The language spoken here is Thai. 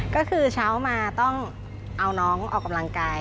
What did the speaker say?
ก็คือเช้ามาต้องเอาน้องออกกำลังกาย